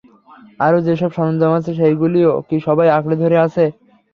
আরো যে সব সরঞ্জাম আছে সেইগুলিও কি সবাই আকড়ে ধরে আছে?